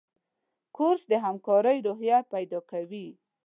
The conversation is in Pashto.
کورس د همکارۍ روحیه پیدا کوي.